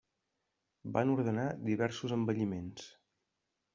Van ordenar diversos embelliments.